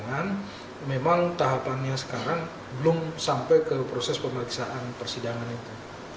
dan memang tahapannya sekarang belum sampai ke proses pembelian persidangan itu